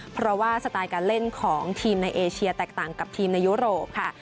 เพราะว่าสไตล์การเล่นของทีมในเอเชียแตกต่างกับทีมในยุโรปค่ะ